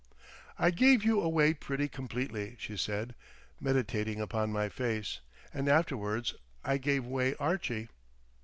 "I gave you away pretty completely," she said, meditating upon my face. "And afterwards I gave way Archie."